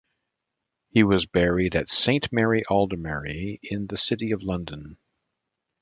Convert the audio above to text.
He was buried at Saint Mary Aldermary in the City of London.